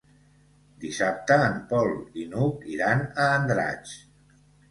Dissabte en Pol i n'Hug iran a Andratx.